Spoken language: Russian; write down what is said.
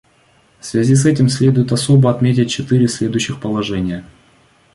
В связи с этим следует особо отметить четыре следующих положения.